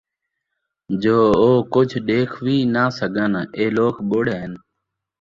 جو او کُجھ ݙیکھ وِی نہ سَڳن ۔ ایہ لوک ٻُوڑے ہن،